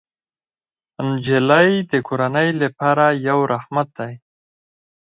نجلۍ د کورنۍ لپاره یو رحمت دی.